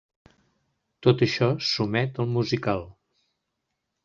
Tot això s'omet al musical.